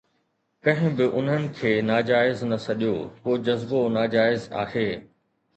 ڪنهن به انهن کي ناجائز نه سڏيو، ڪو جذبو ناجائز آهي.